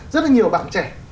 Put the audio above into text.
rất là nhiều bạn trẻ